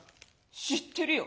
「知ってるよ！」。